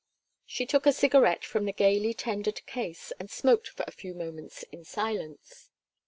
She took a cigarette from the gayly tendered case and smoked for a few moments in silence.